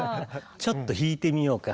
ちょっと弾いてみようか。